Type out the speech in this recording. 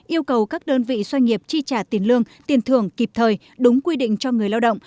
yêu cầu các đơn vị doanh nghiệp chi trả tiền lương tiền thưởng kịp thời đúng quy định cho người lao động